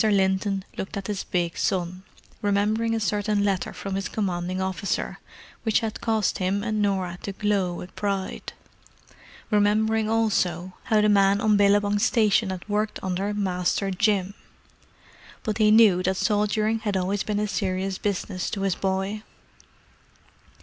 Linton looked at his big son, remembering a certain letter from his commanding officer which had caused him and Norah to glow with pride; remembering, also, how the men on Billabong Station had worked under "Master Jim." But he knew that soldiering had always been a serious business to his boy.